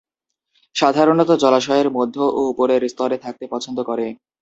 সাধারণত জলাশয়ের মধ্য ও উপরের স্তরে থাকতে পছন্দ করে।